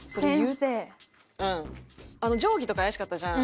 「定規」とか怪しかったじゃん。